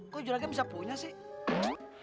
kok juragga bisa punya sih